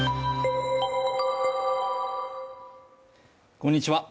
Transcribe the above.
こんにちは。